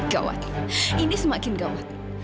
gawat ini semakin gawat